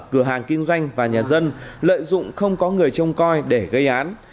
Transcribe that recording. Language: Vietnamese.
cửa hàng kinh doanh và nhà dân lợi dụng không có người trông coi để gây án